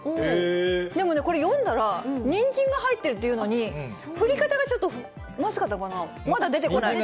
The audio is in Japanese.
でもね、これ読んだら、にんじんが入ってるっていうのに、振り方がちょっとまずかったのかな。